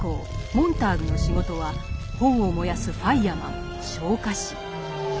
モンターグの仕事は本を燃やすファイアマン昇火士。